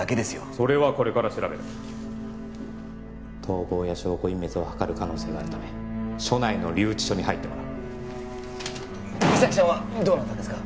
それはこれから調べる逃亡や証拠隠滅をはかる可能性があるため署内の留置所に入ってもらう実咲ちゃんはどうなったんですか？